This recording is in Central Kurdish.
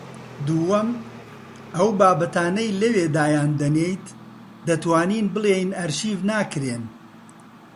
دووەم: ئەو بابەتانەی لەوێ دایان دەنێیت دەتوانین بڵێین ئەرشیف ناکرێن